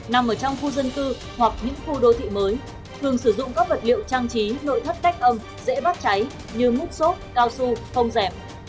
nằm ở trong khu dân cư hoặc những khu đô thị mới thường sử dụng các vật liệu trang trí nội thất tách âm dễ bắt cháy như mút xốp cao su không rẻm